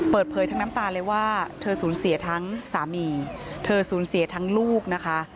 เปิดเผยทั้งน้ำตาเลยว่าเธอสูญเสียทั้งสามีเธอสูญเสียทั้งลูกนะคะ